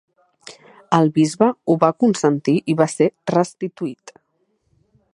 El bisbe ho va consentir i va ser restituït.